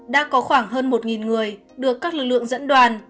đã có khoảng hơn một người được các lực lượng dẫn đoàn